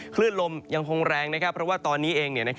คลื่นลมยังคงแรงเพราะว่าตอนนี้เอง